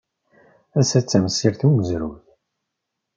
Ass-a d tamsirt n umezruy.